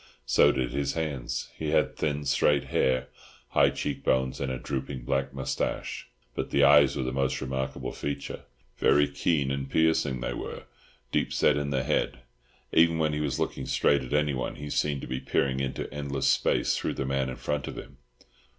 So did his hands. He had thin straight hair, high cheek bones, and a drooping black moustache. But the eyes were the most remarkable feature. Very keen and piercing they were, deep set in the head; even when he was looking straight at anyone he seemed to be peering into endless space through the man in front of him.